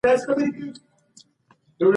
افغانستان د اقتصادي دیپلوماسۍ فرصتونه نه کاروي.